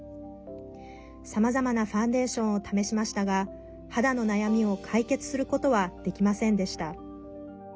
さまざまなファンデーションを試しましたが肌の悩みを解決することはできませんでした。